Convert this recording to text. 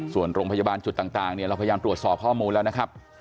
ส่วนโรงพยาบาลจุดต่างเนี่ยเราพยายามตรวจสอบข้อมูลแล้วนะครับ